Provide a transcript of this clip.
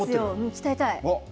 鍛えたい。